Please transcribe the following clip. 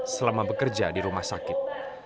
selama bekerja di rumah sakit